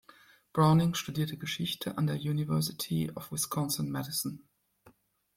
Browning studierte Geschichte an der University of Wisconsin–Madison.